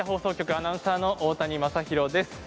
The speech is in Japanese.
アナウンサーの大谷昌弘です。